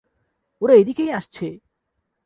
ওরা এদিকেই আসছে!